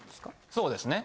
そうですね。